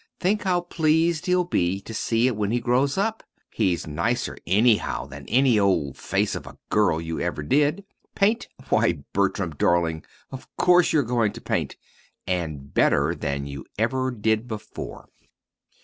Think how pleased he'll be to see it when he grows up! He's nicer, anyhow, than any old 'Face of a Girl' you ever did. Paint? Why, Bertram, darling, of course you're going to paint, and better than you ever did before!"